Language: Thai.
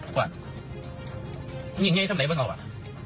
กว่านี่อย่างเงี้ยไอ้สำเร็จเบิ้งเอาอ่ะ